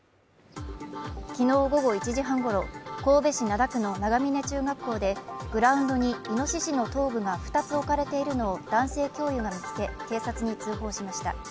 きのう午後１時半ごろ、神戸市灘区の長峰中学校でグラウンドにいのししの頭部が二つ置かれているのを男性教諭が見つけ警察に通報しました。